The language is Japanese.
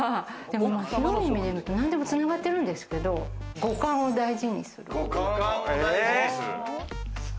広い意味では何でも繋がってるんですけど五感を大事にする。